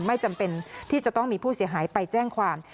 ไม่จำเป็นที่จะต้องมีผู้เสียหายไปแจ้งความ